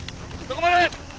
そこまで！